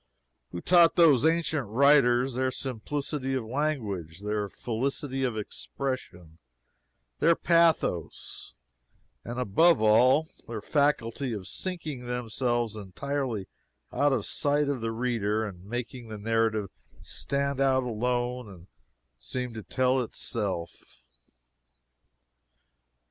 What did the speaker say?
Who taught those ancient writers their simplicity of language, their felicity of expression, their pathos, and above all, their faculty of sinking themselves entirely out of sight of the reader and making the narrative stand out alone and seem to tell itself?